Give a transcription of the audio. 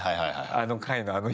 あの回のあの人。